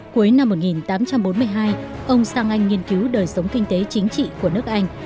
cuối năm một nghìn tám trăm bốn mươi hai ông sang anh nghiên cứu đời sống kinh tế chính trị của nước anh